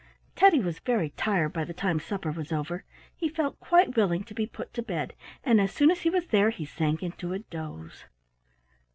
Teddy was very tired by the time supper was over; he felt quite willing to be put to bed, and as soon as he was there he sank into a doze.